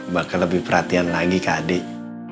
bakal lebih perhatian lagi ke adik